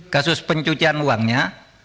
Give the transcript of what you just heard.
kasus pencucian uangnya